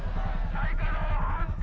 再稼働反対！